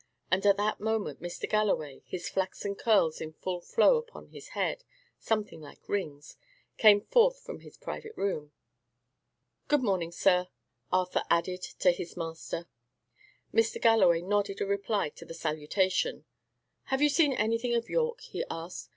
And at that moment Mr. Galloway his flaxen curls in full flow upon his head, something like rings came forth from his private room. "Good morning, sir," Arthur added, to his master. Mr. Galloway nodded a reply to the salutation. "Have you seen anything of Yorke?" he asked.